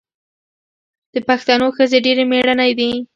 د پښتنو ښځې ډیرې میړنۍ دي.